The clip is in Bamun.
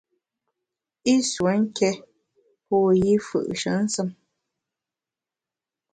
I nsuo nké pô yi mfù’she nsùm.